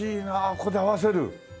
これで合わせる。